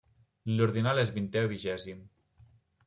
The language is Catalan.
L'ordinal és vintè o vigèsim.